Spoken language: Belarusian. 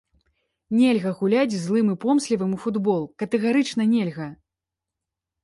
Нельга гуляць злым і помслівым у футбол, катэгарычна нельга!